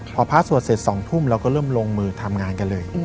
พอพระสวดเสร็จ๒ทุ่มเราก็เริ่มลงมือทำงานกันเลย